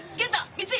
光彦！